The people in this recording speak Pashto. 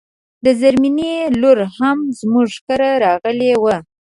د زرمينې لور هم زموږ کره راغلی و